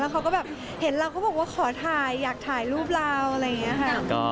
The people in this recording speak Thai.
เขาก็แบบเห็นเราก็บอกว่าขอถ่ายอยากถ่ายรูปเราอะไรอย่างนี้ค่ะ